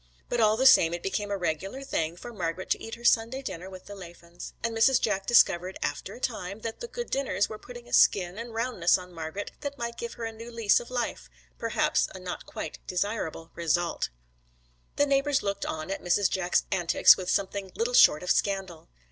But all the same it became a regular thing for Margret to eat her Sunday dinner with the Laffans, and Mrs. Jack discovered after a time that the good dinners were putting a skin and roundness on Margret that might give her a new lease of life perhaps a not quite desirable result. The neighbours looked on at Mrs. Jack's 'antics' with something little short of scandal.